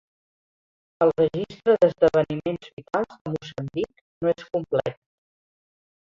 El registre d'esdeveniments vitals de Moçambic no és complet.